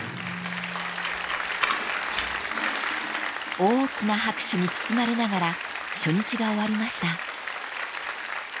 ［大きな拍手に包まれながら初日が終わりました］